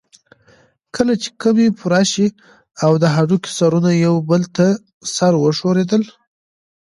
کله چې کمى پوره شو او د هډوکي سرونه يو بل ته سره ورسېدل.